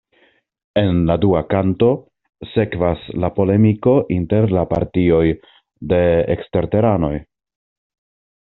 En la dua kanto sekvas la polemiko inter la partioj de eksterteranoj.